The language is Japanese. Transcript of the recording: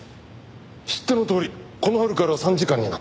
知ってのとおりこの春から参事官になった。